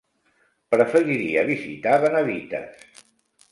Preferiria visitar Benavites.